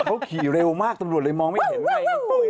เขาขี่เร็วมากตรนบ่วนเลยมองไม่เห็น